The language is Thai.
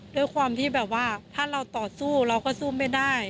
ด้วยความที่แบบว่าถ้าเราต่อสู้เราก็สู้ไม่ได้